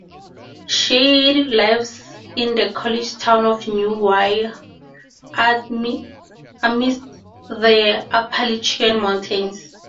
Shade lives in the college town of New Wye, amidst the Appalachian Mountains.